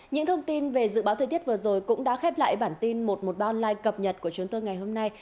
những thông tin về dự báo thời tiết vừa rồi cũng đã khép lại bản tin một trăm một mươi ba online cập nhật của chúng tôi ngày hôm nay